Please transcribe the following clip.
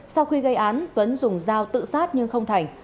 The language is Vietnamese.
sau khi gây án tuấn dùng dao tự sát nhưng không thành